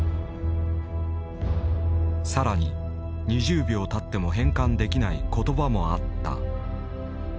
更に２０秒たっても変換できない言葉もあった。